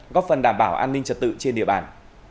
góp phần đảm bảo an ninh trật tự trên địa bàn